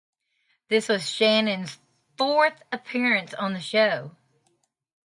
This was Shannon's fourth appearance on the show.